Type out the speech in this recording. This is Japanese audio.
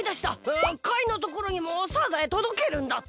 カイのところにもサザエとどけるんだった！